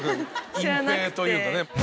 隠蔽というかね。